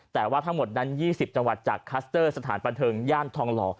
แต่ว่าทั้งหมดนั้น๒๐จังหวัดจากคัสเตอร์สถานบันเทิงย่านทองหล่อ